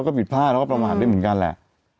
เขาก็ประหว่างด้วยเหมือนกันแหละ